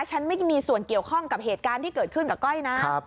ฉันไม่มีส่วนเกี่ยวข้องกับเหตุการณ์ที่เกิดขึ้นกับก้อยนะ